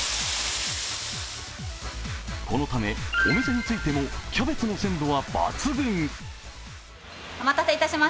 このためお店に着いてもキャベツの鮮度は抜群。